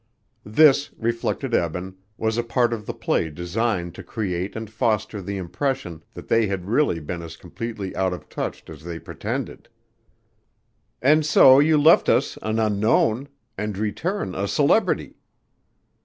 This, reflected Eben, was a part of the play designed to create and foster the impression that they had really been as completely out of touch as they pretended. "And so you left us, an unknown, and return a celebrity!"